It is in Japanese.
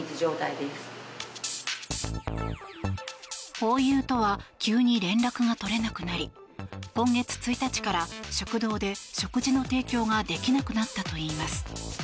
ホーユーとは急に連絡が取れなくなり今月１日から食堂で食事の提供ができなくなったといいます。